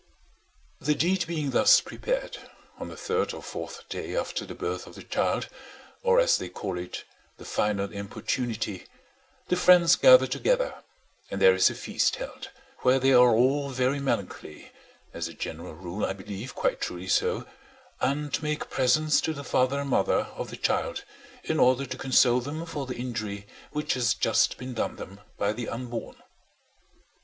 The deed being thus prepared, on the third or fourth day after the birth of the child, or as they call it, the "final importunity," the friends gather together, and there is a feast held, where they are all very melancholy—as a general rule, I believe, quite truly so—and make presents to the father and mother of the child in order to console them for the injury which has just been done them by the unborn.